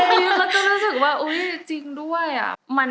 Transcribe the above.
แล้วก็รู้สึกว่าจริงด้วยอะ